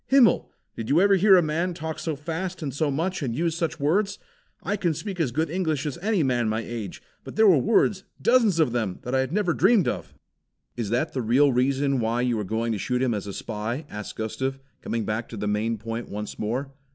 Himmel! Did you ever hear a man talk so fast and so much and use such words? I can speak as good English as any man my age, but there were words, dozens of them, that I had never dreamed of." "Is that the real reason why you are going to shoot him as a spy?" asked Gustav, coming back to the main point once more.